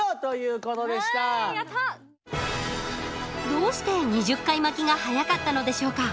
どうして２０回巻きが速かったのでしょうか。